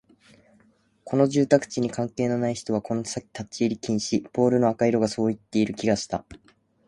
この住宅地に関係のない人はこの先立ち入り禁止、ポールの赤色がそう言っている気がした